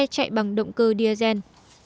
chạy bằng động cơ diesel